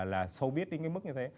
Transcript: là sâu biết đến cái mức như thế